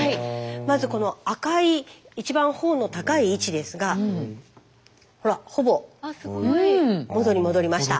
まずこの赤い一番頬の高い位置ですがほらほぼ元に戻りました。